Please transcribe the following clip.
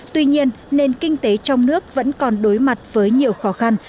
tuy nhiên nền kinh tế trong nước vẫn còn đối mặt với nhiều khó khăn